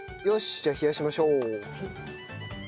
じゃあ冷やしましょう。